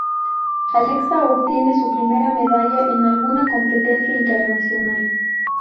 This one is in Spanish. Alexa obtiene su primera medalla en alguna competencia Internacional.